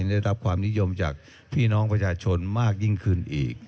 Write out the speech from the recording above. ได้รับความนิยมจากพี่น้องประชาชนมากยิ่งขึ้นอีก